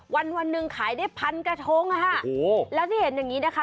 วันหนึ่งขายใด๑๐๐๐กระทงค่ะและที่เห็นอย่างนี้นะคะ